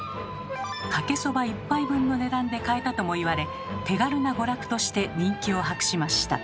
かけそば１杯分の値段で買えたともいわれ手軽な娯楽として人気を博しました。